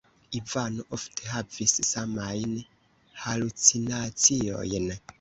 Ivano ofte havis samajn halucinaciojn.